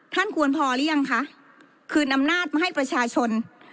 ควรพอหรือยังคะคืนอำนาจมาให้ประชาชน